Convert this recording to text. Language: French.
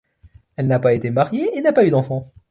Elle n'a pas été mariée, et n'a pas eu d'enfants.